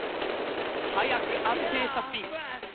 速く安定したスピン。